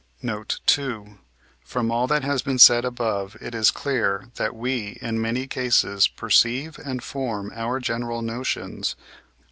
Note II. From all that has been said above it is clear, that we, in many cases, perceive and form our general notions: (1.)